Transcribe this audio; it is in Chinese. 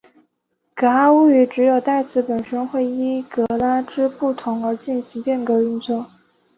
噶哈巫语只有代词本身会依格位之不同而进行变格运作。